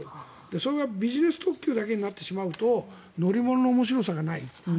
それがビジネス特急だけになってしまうと乗り物の面白さがない。